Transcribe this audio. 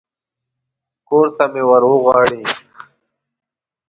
کور ته مې ور وغواړي.